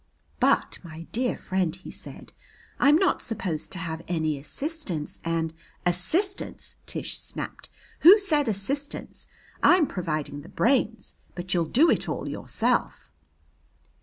"But, my dear friend," he said, "I am not supposed to have any assistance and " "Assistance!" Tish snapped. "Who said assistance? I'm providing the brains, but you'll do it all yourself."